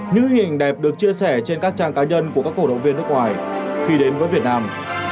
những hình đẹp được chia sẻ trên các trang cá nhân của các cổ động viên nước ngoài khi đến với việt nam